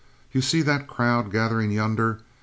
You see that crowd gathering yonder?